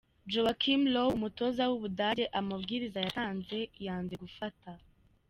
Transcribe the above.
Joakim Low umutoza w'Ubudage amabwiriza yatanze yanze gufata.